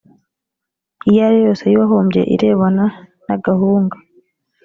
iyo ari yo yose y uwahombye irebana nagahunga